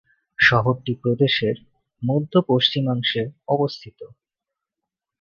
শহরটি প্রদেশের মধ্য-পশ্চিমাংশে অবস্থিত।